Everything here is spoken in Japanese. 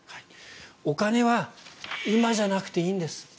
お金は今じゃなくていいんです